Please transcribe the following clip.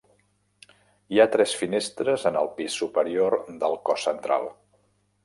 Hi ha tres finestres en el pis superior del cos central.